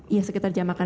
iya sekitar jam makan